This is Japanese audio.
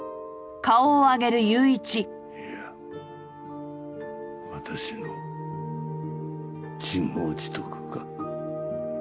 いや私の自業自得か。